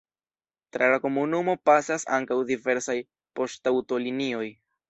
Tra la komunumo pasas ankaŭ diversaj poŝtaŭtolinioj.